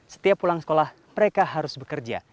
setiap pulang sekolah mereka harus bekerja